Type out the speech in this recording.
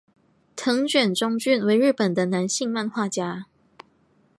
藤卷忠俊为日本的男性漫画家。